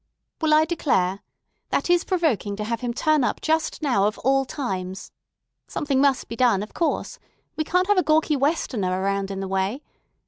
"Well, I declare! That is provoking to have him turn up just now of all times. Something must be done, of course. We can't have a gawky Westerner around in the way.